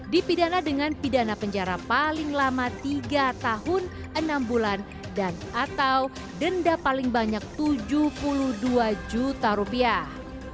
dipidana dengan pidana penjara paling lama tiga tahun enam bulan dan atau denda paling banyak tujuh puluh dua juta rupiah